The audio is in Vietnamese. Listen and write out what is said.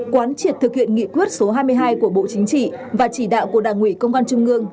quán triệt thực hiện nghị quyết số hai mươi hai của bộ chính trị và chỉ đạo của đảng ủy công an trung ương